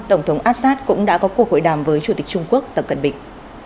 tổng thống assad cũng đã có cuộc hội đàm với chủ tịch trung quốc tập cận bình